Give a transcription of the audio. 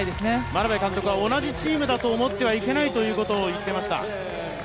眞鍋監督は同じチームだと思ってはいけないと言っていました。